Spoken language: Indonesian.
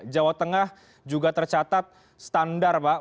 jawa tengah juga tercatat standar pak